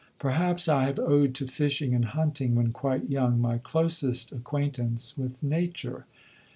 Perhaps I have owed to fishing and hunting, when quite young, my closest acquaintance with Nature.